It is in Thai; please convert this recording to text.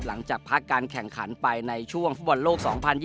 หลังจากพักการแข่งขันไปในช่วงฟุตบอลโลก๒๐๒๐